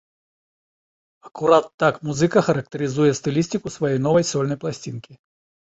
Акурат так музыка характарызуе стылістыку сваёй новай сольнай пласцінкі.